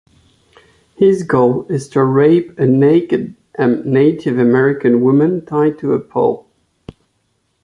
His goal is to rape a naked Native American woman tied to a pole.